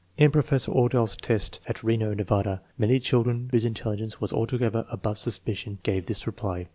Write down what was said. In Professor OrdahTs tests at Reno, Nevada, many children whose in telligence was altogether above suspicion gave this reply.